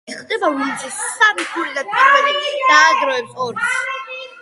გამარჯვებული ის ხდება, ვინც სამი ქულიდან პირველი დააგროვებს ორს.